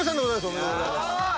おめでとうございます。